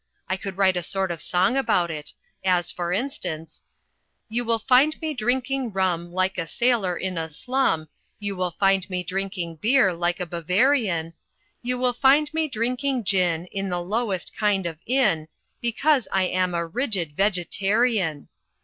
I could write a sort of song about it As, for instance — "You will find me drinking mm Like a sailor in a slum, You will find me drinking beer like a Bavarian; You will find me drinking gin In the lowest kind of inn, Because I am a rigid Vegetarian."